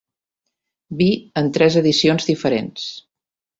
Vi en tres edicions diferents.